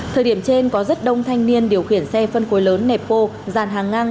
thời điểm trên có rất đông thanh niên điều khiển xe phân khối lớn nẹp bô dàn hàng ngang